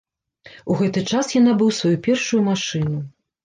У гэты час я набыў сваю першую машыну.